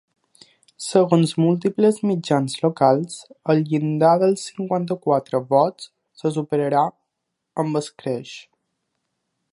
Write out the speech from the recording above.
Segons múltiples mitjans locals, el llindar dels cinquanta-quatre vots se superarà amb escreix.